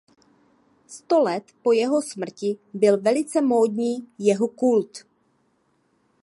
Sto let po jeho smrti byl velice módní jeho kult.